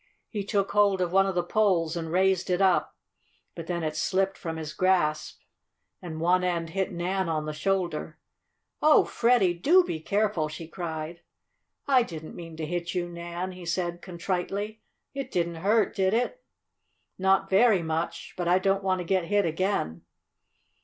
He took hold of one of the poles and raised it up, but then it slipped from his grasp and one end hit Nan on the shoulder. "Oh, Freddie! do be careful!" she cried. "I didn't mean to hit you, Nan," he said contritely. "It didn't hurt, did it?" "Not very much. But I don't want to get hit again."